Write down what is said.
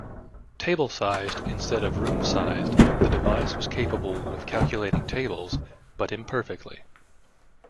Table-sized instead of room-sized, the device was capable of calculating tables, but imperfectly.